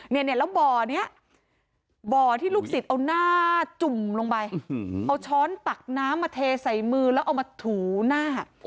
เนี่ยแล้วบ่อนี้บ่อที่ลูกศิษย์เอาหน้าจุ่มลงไปเอาช้อนตักน้ำมาเทใส่มือแล้วเอามาถูหน้า